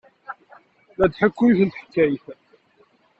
La d-tḥekku yiwet n teḥkayt.